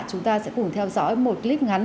chúng ta sẽ cùng theo dõi một clip ngắn